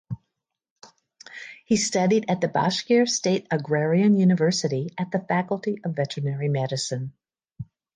He studied at the Bashkir State Agrarian University at the Faculty of Veterinary Medicine.